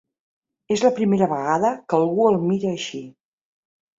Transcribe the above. És la primera vegada que algú el mira així.